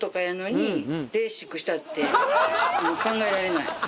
考えられない。